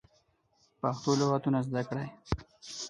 پښتو لغاتونه زده کړی